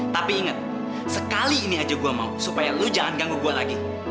tapi ingat sekali ini aja gue mau supaya lu jangan ganggu gue lagi